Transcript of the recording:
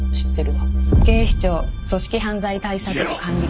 警視庁組織犯罪対策部管理官